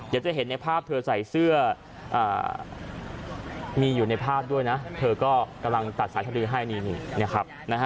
จะเห็นในภาพเธอใส่เสื้อมีอยู่ในภาพด้วยนะเธอก็กำลังตัดสายสดือให้นี่นะครับ